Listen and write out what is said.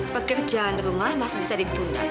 pekerjaan rumah masih bisa ditunda